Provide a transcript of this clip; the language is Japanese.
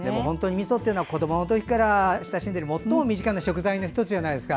みそっていうのは子どものころから親しんでいるもっとも身近な食材の１つじゃないですか。